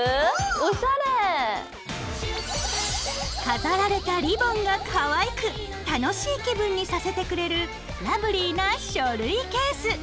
おしゃれ！飾られたリボンがかわいく楽しい気分にさせてくれるラブリーな書類ケース。